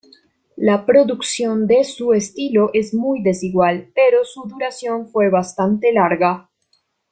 La producción de su estilo es muy desigual, pero su duración fue bastante larga.